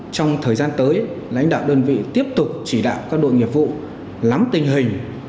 trong thời gian tới lãnh đạo đơn vị tiếp tục chỉ đạo các đội nghiệp vụ lắm tình hình